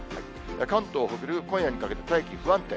関東、北陸、今夜にかけて天気、不安定。